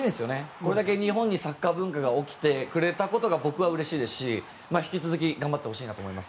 これだけ日本にサッカー文化が起きてくれたことが僕はうれしいですし、引き続き頑張ってほしいと思います。